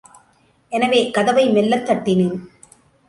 எனவே, கதவை மெல்லத் தட்டினேன்.